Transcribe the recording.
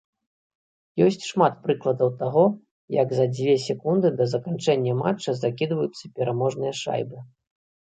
Ёсць шмат прыкладаў таго, як за дзве секунды да заканчэння матча закідваюцца пераможныя шайбы.